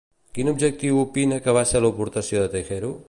Quin objectiu opina que va ser l'aportació de Tejero?